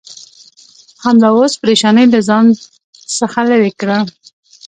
همدا اوس پرېشانۍ له ځان څخه لرې کړه.